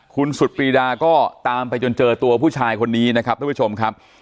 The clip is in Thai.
คุณสุดปรีดาก็ตามไปจนเจอตัวผู้ชายคนนี้นะครับท่านผู้ชมครับ